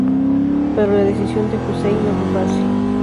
Pero la decisión de Hussein no fue fácil.